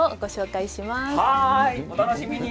お楽しみに。